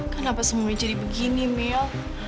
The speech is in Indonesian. kenapa semuanya jadi begini mil